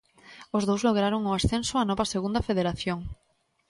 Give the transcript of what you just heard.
Os dous lograron o ascenso á nova Segunda Federación.